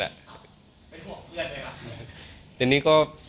เป็นห่วงเพื่อนเลยครับ